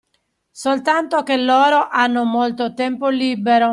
Soltanto che loro hanno molto tempo libero